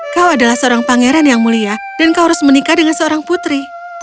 kau adalah seorang pangeran yang mulia dan kau harus menikah dengan seorang putri